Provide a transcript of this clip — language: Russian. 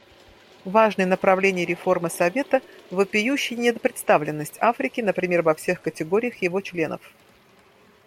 Важное направление реформы Совета — вопиющая недопредставленность Африки, например, во всех категориях его членов.